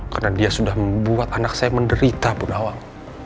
karena dia sudah membuat anak saya menderita bunda wang